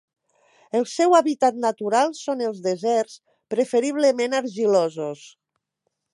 El seu hàbitat natural són els deserts, preferiblement argilosos.